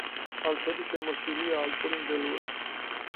კალთები შემოსილია ალპური მდელოებით.